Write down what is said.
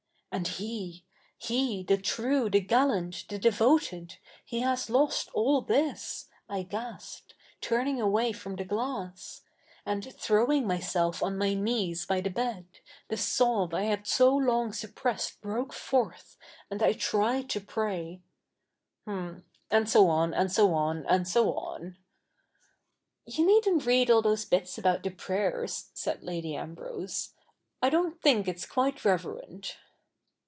' A7id he — he, the true, the galla7it, the devoted, he has lost all this^ I gasped, tu7'7ii7ig aivay from the glass; and, throwing 77iyself on 77iy knees by the bed, the sob I had so lo7ig suppressed broke fo7'th, a7id I tried to pray " h'm — and so on, and so on, and so on ' 'You needn't read all those bits about the prayers,' said Lady Ambrose. ' I don't think it is quite reverent.'